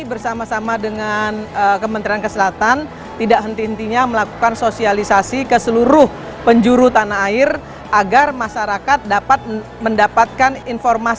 bpjs maupun bp pom